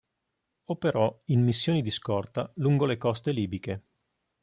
Operò in missioni di scorta lungo le coste libiche.